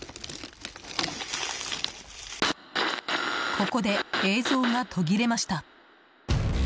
ここで映像が途切れました。